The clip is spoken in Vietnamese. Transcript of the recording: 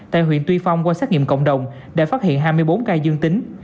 tại huyện tuy phong qua xét nghiệm cộng đồng đã phát hiện hai mươi bốn ca dương tính